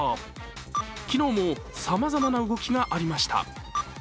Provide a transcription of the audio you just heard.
昨日もさまざまな動きがありました。